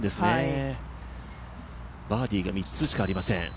バーディーが３つしかありません。